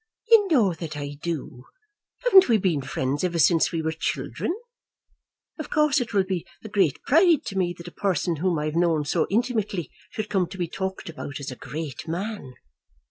"You know that I do. Haven't we been friends ever since we were children? Of course it will be a great pride to me that a person whom I have known so intimately should come to be talked about as a great man."